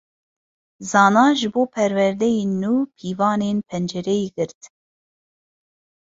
Zana ji bo perdeyên nû pîvanên pencereyê girt.